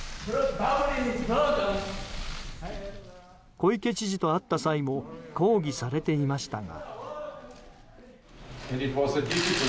小池知事と会った際も抗議されていましたが。